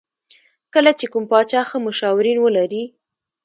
کله چې کوم پاچا ښه مشاورین ولري.